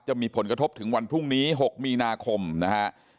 จะมีผลกระทบถึงวันพรุ่งนี้๖มีนาคมนะฮะ